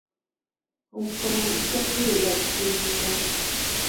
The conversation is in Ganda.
Omusomo gujja kubeera Jinja.